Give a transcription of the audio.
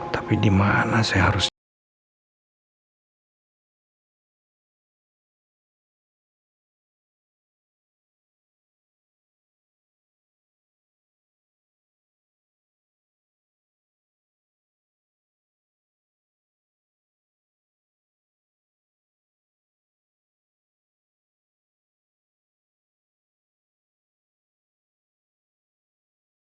tapi di mana saya harus jalan